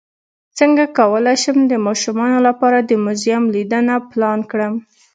څنګه کولی شم د ماشومانو لپاره د موزیم لیدنه پلان کړم